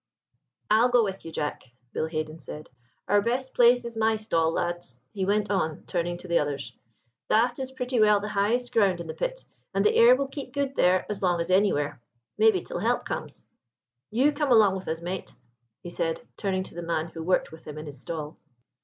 "I'll go with you, Jack," Bill Haden said. "Our best place is my stall, lads," he went on, turning to the others; "that is pretty well the highest ground in the pit, and the air will keep good there as long as anywhere—maybe till help comes. You come along with us, mate," he said, turning to the man who worked with him in his stall.